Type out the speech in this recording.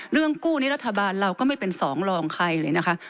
กู้นี้รัฐบาลเราก็ไม่เป็นสองรองใครเลยนะคะ